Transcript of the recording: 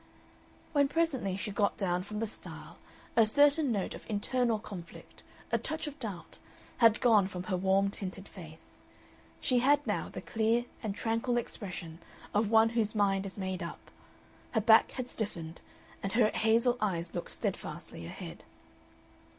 When presently she got down from the stile a certain note of internal conflict, a touch of doubt, had gone from her warm tinted face. She had now the clear and tranquil expression of one whose mind is made up. Her back had stiffened, and her hazel eyes looked steadfastly ahead.